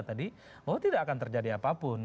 tadi bahwa tidak akan terjadi apapun